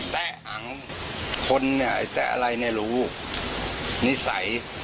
แต่อังคนเนี่ยไอ้แตะอะไรเนี่ยรู้นิสัย